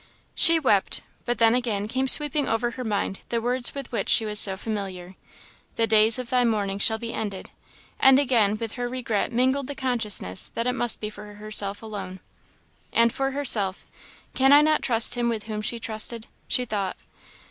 She wept; but then again came sweeping over her mind the words with which she was so familiar, "the days of thy mourning shall be ended;" and again with her regret mingled the consciousness that it must be for herself alone. And for herself, "Can I not trust Him whom she trusted?" she thought.